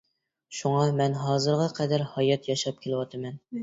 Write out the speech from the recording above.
شۇڭا، مەن ھازىرغا قەدەر ھايات ياشاپ كېلىۋاتىمەن.